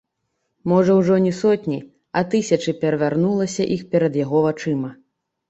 Можа ўжо не сотні, а тысячы перавярнулася іх перад яго вачыма.